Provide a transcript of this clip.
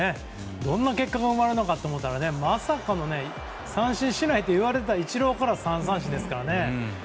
どんな結果が生まれるのかと思ったらまさかの三振しないといわれたイチローから３三振ですからね。